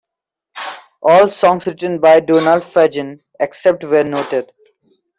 All songs written by Donald Fagen, except where noted.